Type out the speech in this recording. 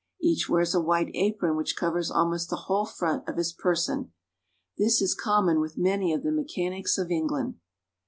Each wears a white apron which covers almost the whole front of his person. This is common with many of the mechanics of England. MANUFACTURING ENGLAND.